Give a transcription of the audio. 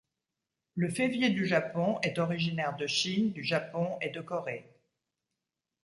Le Févier du Japon est originaire de Chine, du Japon et de Corée.